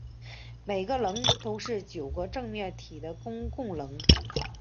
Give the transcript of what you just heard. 每个棱都是九个正四面体的公共棱。